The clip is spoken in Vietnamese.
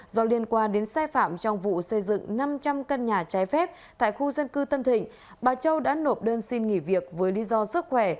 do liên quan đến sai phạm trong vụ xây dựng năm trăm linh căn nhà trái phép tại khu dân cư tân thịnh bà châu đã nộp đơn xin nghỉ việc với lý do sức khỏe